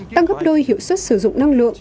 tăng gấp đôi hiệu suất sử dụng năng lượng